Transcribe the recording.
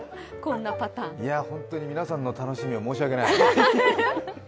いやあ本当に皆さんの楽しみを申し訳ない。